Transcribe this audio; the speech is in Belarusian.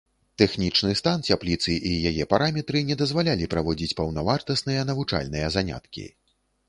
Тэхнічны стан цяпліцы і яе параметры не дазвалялі праводзіць паўнавартасныя навучальныя заняткі.